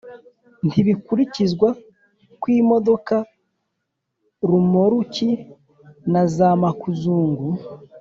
Ntibikurikizwa ku imodoka, romoruki na za makuzungu